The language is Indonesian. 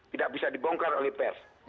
tidak bisa dibongkar oleh pers